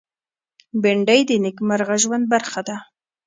بېنډۍ د نېکمرغه ژوند برخه ده